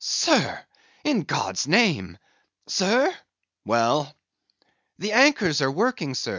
"Sir!—in God's name!—sir?" "Well." "The anchors are working, sir.